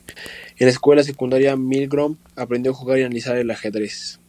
En la escuela secundaria, Milgrom aprendió a jugar y analizar el ajedrez.